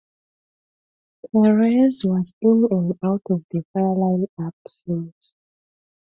Perez was in-and-out of the Fire lineup since.